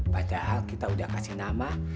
padahal kita udah kasih nama